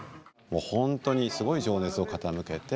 本当にすごい情熱を傾けて。